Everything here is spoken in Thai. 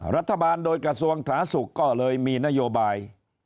รัฐบาลโดยกระทรวงสาธารณสุขก็เลยมีนโยบาย